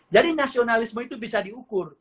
jadi nasionalisme itu bisa diukur